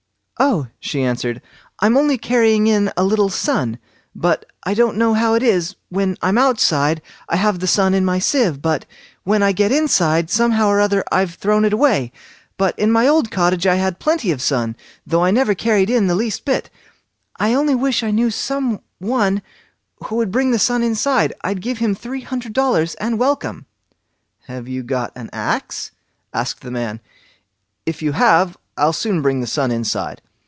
"Oh", she answered, "I'm only carrying in a little sun; but I don't know how it is, when I'm outside, I have the sun in my sieve, but when I get inside, somehow or other I've thrown it away. But in my old cottage I had plenty of sun, though I never carried in the least bit. I only wish I knew some one who would bring the sun inside; I'd give him three hundred dollars and welcome." "Have you got an axe?" asked the man. "If you have, I'll soon bring the sun inside."